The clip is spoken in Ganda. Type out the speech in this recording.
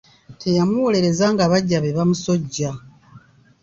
Teyamuwolereza nga baggya be bamusojja.